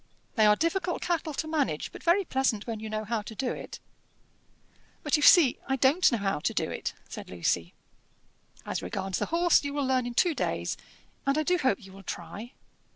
They are difficult cattle to manage, but very pleasant when you know how to do it." "But you see I don't know how to do it," said Lucy. "As regards the horse, you will learn in two days, and I do hope you will try.